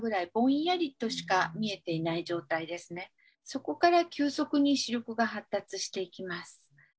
そこから急速に視力が発達していきます。